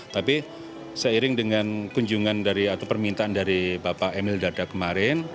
tapi seiring dengan kunjungan dari atau permintaan dari bapak emil dardak kemarin